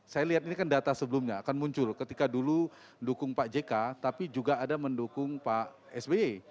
saya lihat ini kan data sebelumnya akan muncul ketika dulu mendukung pak jk tapi juga ada mendukung pak sby